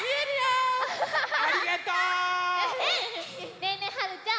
ねえねえはるちゃん。